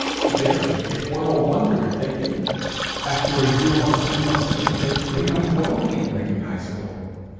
Verily it were a wonder if they did! After a year or two of such a fate, they might well be unrecognizable!